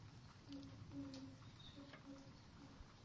আমি গোপনীয়তার শপথকৃত।